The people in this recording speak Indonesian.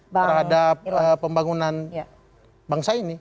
terhadap pembangunan bangsa ini